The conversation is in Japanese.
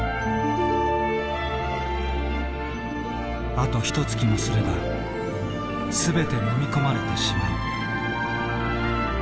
あとひとつきもすれば全てのみ込まれてしまう。